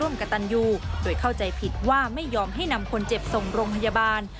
ไม่ยอมให้นำคนเจ็บส่งโรงพยาบาล